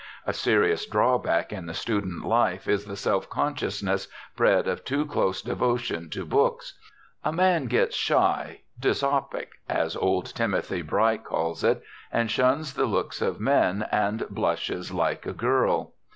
A serious drawback in the student life is the self consciousness, bred of too close devotion to books. A man gets shy, "dysopic," as old Timothy Bright calls it, and shuns the looks of men, and blushes like a girl.